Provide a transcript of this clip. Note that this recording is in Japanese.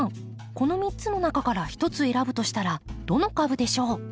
この３つの中から１つ選ぶとしたらどの株でしょう？